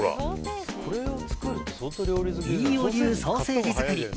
飯尾流ソーセージ作り。